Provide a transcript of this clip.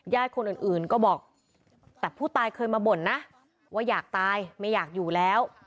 คนอื่นก็บอกแต่ผู้ตายเคยมาบ่นนะว่าอยากตายไม่อยากอยู่แล้ว